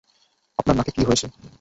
আপনার নাকে কি হয়েছে?